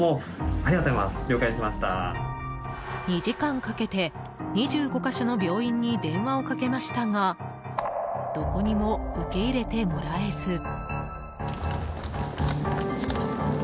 ２時間かけて２５か所の病院に電話をかけましたがどこにも受け入れてもらえず。